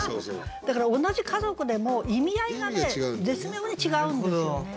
だから同じ「家族」でも意味合いがね絶妙に違うんですよね。